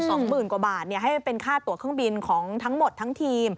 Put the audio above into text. สองหมื่นกว่าบาทเนี่ยให้เป็นค่าตัวเครื่องบินของทั้งหมดทั้งทีม